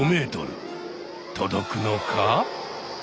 届くのか？